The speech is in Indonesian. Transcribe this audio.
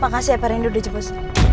makasih ya parah ini udah jepos